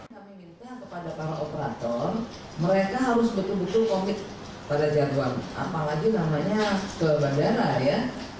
kami minta kepada para operator mereka harus betul betul komit pada jadwal apalagi namanya ke bandara ya